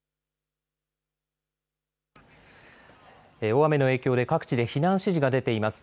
大雨の影響で各地で避難指示が出ています。